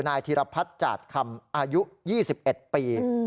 ธีรพัฒน์จาดคำอายุ๒๑ปี